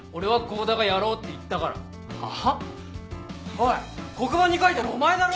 おい黒板に書いたのお前だろ？